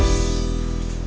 neng mau main kemana